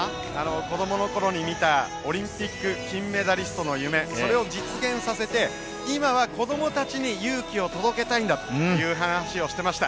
子供の頃に見たオリンピック金メダリストの夢、それを実現させて、今は子供たちに勇気を届けたいという話をしていました。